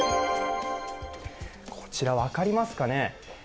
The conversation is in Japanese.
こちら分かりますかね？